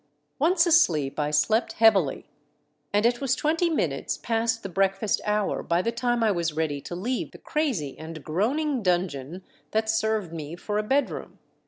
Once asleep I slept heavily, and it was twenty minutes past the breakfast hour by the time 1 was ready to leave the crazy and groaning dungeg>n that served me for a bedroom.